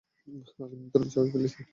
আমরা নিমন্ত্রণপত্র ছাপিয়ে ফেলেছি।